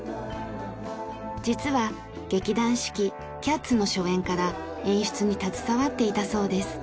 実は劇団四季『キャッツ』の初演から演出に携わっていたそうです。